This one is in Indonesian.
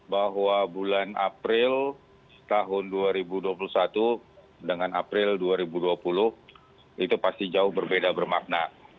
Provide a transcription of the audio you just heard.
bahwa bulan april tahun dua ribu dua puluh satu dengan april dua ribu dua puluh itu pasti jauh berbeda bermakna